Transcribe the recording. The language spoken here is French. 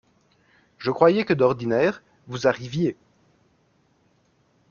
Je croyais que d’ordinaire, vous arriviez.